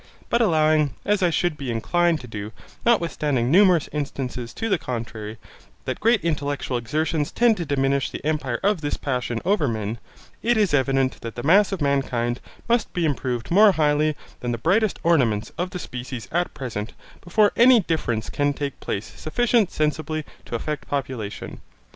But allowing, as I should be inclined to do, notwithstanding numerous instances to the contrary, that great intellectual exertions tend to diminish the empire of this passion over man, it is evident that the mass of mankind must be improved more highly than the brightest ornaments of the species at present before any difference can take place sufficient sensibly to affect population.